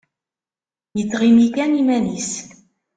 Yettɣimi kan iman-is.